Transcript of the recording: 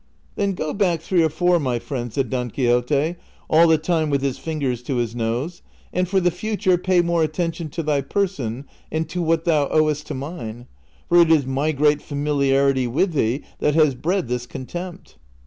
" Then go back three or four, my friend," said Don Quixote, all the time with his fingers to his nose ;" and for the future pay more attention to thy person and to what thou owest to mine ; for it is my great familiarity with thee that has bred this contempt."